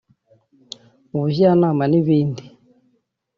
ubujyanama n’ibindi